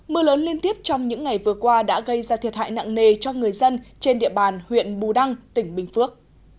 mưa lớn liên tiếp trong những ngày vừa qua đã gây ra thiệt hại nặng nề cho người dân trên địa bàn huyện bù đăng tỉnh bình phước